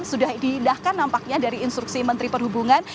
sudah diindahkan nampaknya dari instruksi menteri perhubungan